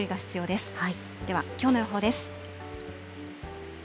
ではきょうの予報です。